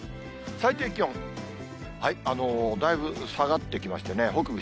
最低気温、だいぶ下がってきましてね、北部